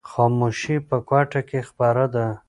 خاموشي په کوټه کې خپره ده.